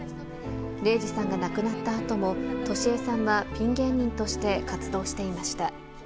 玲児さんが亡くなったあとも、敏江さんはピン芸人として活動していました。